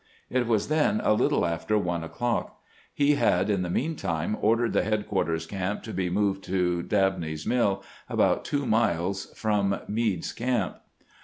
It was then a little after one o'clock. He had in the mean time ordered the headquarters camp to be moved to Dabney's Mill, about two miles from Meade's camp.